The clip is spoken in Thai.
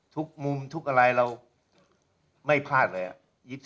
ทุกมุมทุกอะไรเราไม่พลาดเลยอะ